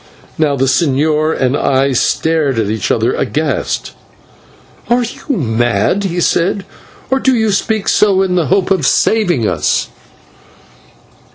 Now the señor and I stared at each other aghast. "Are you mad?" he said, "or do you speak so in the hope of saving us?"